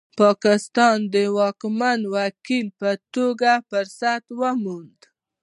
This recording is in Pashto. پاکستان د واکمن وکیل په توګه فرصت وموند.